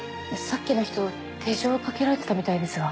さっきの人手錠をかけられてたみたいですが。